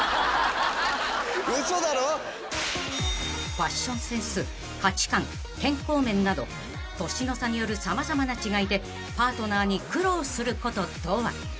［ファッションセンス価値観健康面など年の差による様々な違いでパートナーに苦労することとは？］